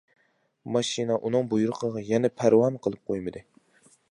ماشىنا ئۇنىڭ بۇيرۇقىغا يەنە پەرۋامۇ قىلىپ قويمىدى.